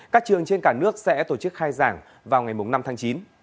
các trường trên cả nước sẽ tổ chức khai giảng vào ngày năm tháng chín